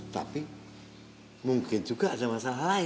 tapi mungkin juga ada masalah lain